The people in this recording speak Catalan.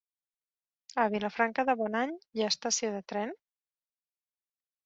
A Vilafranca de Bonany hi ha estació de tren?